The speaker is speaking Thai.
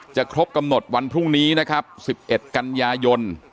ครบกำหนดวันพรุ่งนี้นะครับ๑๑กันยายน